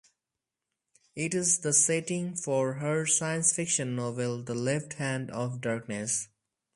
It is the setting for her science fiction novel "The Left Hand of Darkness".